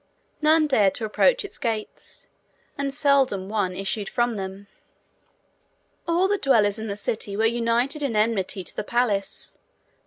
None dared approach its gates, and seldom one issued from them. All the dwellers in the city were united in enmity to the palace.